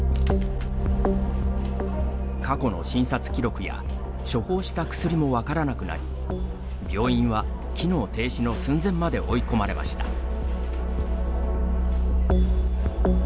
過去の診察記録や処方した薬も分からなくなり病院は機能停止の寸前まで追い込まれました。